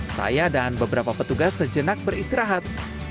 saya dan beberapa petugas sejenak beristirahat